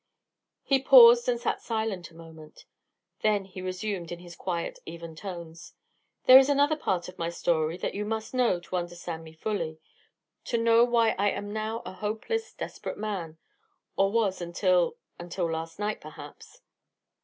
He paused and sat silent a moment. Then he resumed, in his quiet, even tones: "There is another part of my story that you must know to understand me fully; to know why I am now a hopeless, desperate man; or was until until last night, perhaps.